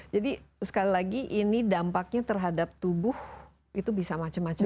jadi sekali lagi ini dampaknya terhadap tubuh itu bisa macam macam ya